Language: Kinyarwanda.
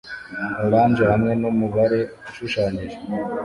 orange hamwe numubare '' ushushanyijeho